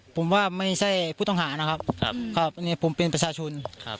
ผมว่าปานไม่ใช่ผู้ต้องหานะครับผมเป็นประชาชน